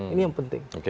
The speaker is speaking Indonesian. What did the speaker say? ini yang penting